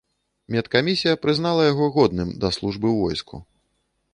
Медкамісія прызнала яго годным да службы ў войску.